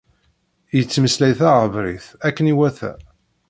Yettmeslay taɛebrit akken iwata.